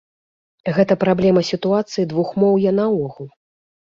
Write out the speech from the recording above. Гэта праблема сітуацыі двухмоўя наогул.